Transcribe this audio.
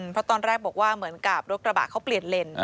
เพราะตอนแรกบอกว่าเหมือนกับรถกระบะเขาเปลี่ยนเลน